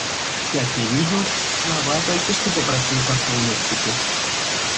Как я вижу, слова только что попросил посол Мексики.